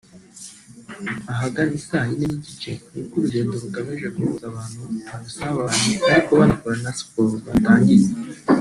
Ahagana i saa yine n’igice nibwo urugendo rugamije guhuza abantu mu busabane ariko bakora na siporo rwatangiye